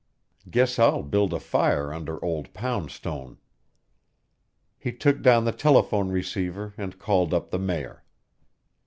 Guess I'll build a fire under old Poundstone." He took down the telephone receiver and called up the Mayor.